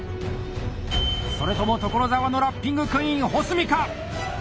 それとも所沢のラッピングクイーン・保住か？